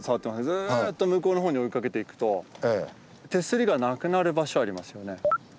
ずっと向こうの方に追いかけていくと手すりがなくなる場所ありますよね。